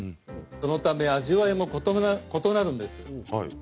そのため味わいも異なるんです。